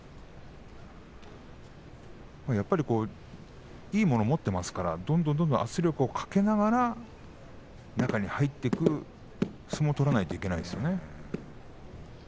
やっぱり、いいものを持っていますからどんどん圧力をかけながら中に入っていく相撲を取らなきゃいけないですね。